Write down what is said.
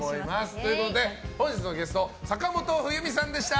ということで、本日のゲスト坂本冬美さんでした。